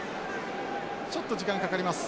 ちょっと時間かかります。